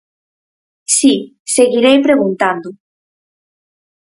Si, seguirei preguntando.